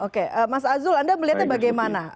oke mas azul anda melihatnya bagaimana